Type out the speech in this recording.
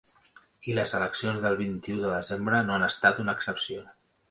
I les eleccions del vint-i-un de desembre no n’han estat una excepció.